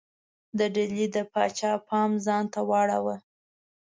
د ډهلي د پاچا پام ځانته واړاوه.